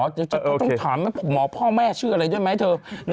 ต้องถามมันคงหมอพ่อแม่ชื่ออะไรด้วยไหมเธอ